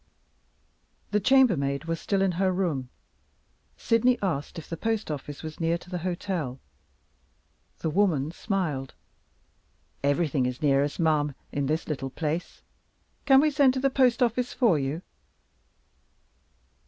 The chambermaid was still in her room Sydney asked if the post office was near to the hotel. The woman smiled. "Everything is near us, ma'am, in this little place. Can we send to the post office for you?"